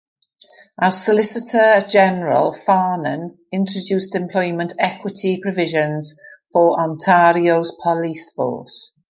As Solicitor-General, Farnan introduced employment equity provisions for Ontario's police force.